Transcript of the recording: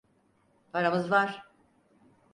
Paramız var.